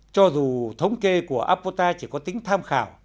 cho dù thống kê của apota chỉ có tính tham khảo